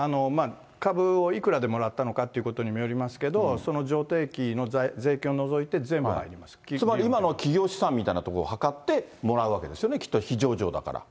株をいくらでもらったのかってことにもよりますけど、その譲渡益の税金を除いて、全部つまり、今の企業資産みたいなところをはかって、もらうわけですよね、きっと、非上場だから。